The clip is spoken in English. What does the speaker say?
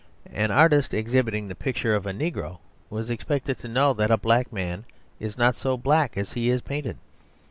An artist exhibiting the picture of a negro was expected to know that a black man is not so black as he is painted.